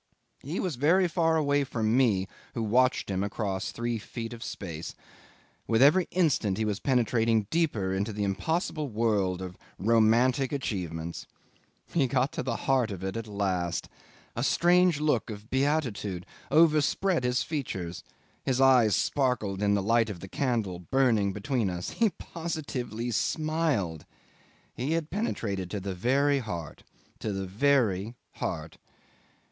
He was very far away from me who watched him across three feet of space. With every instant he was penetrating deeper into the impossible world of romantic achievements. He got to the heart of it at last! A strange look of beatitude overspread his features, his eyes sparkled in the light of the candle burning between us; he positively smiled! He had penetrated to the very heart to the very heart.